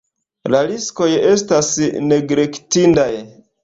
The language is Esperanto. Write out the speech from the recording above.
La riskoj estas neglektindaj.